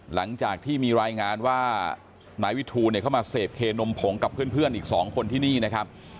หลังจากที่มีรายงานว่านายวิทูลเข้ามาเสพเคนมผงกับเพื่อนอีก๒คนที่นี่นะครับ